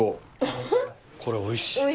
これおいしい。